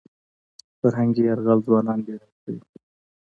فرهنګي یرغل ځوانان بې لارې کوي.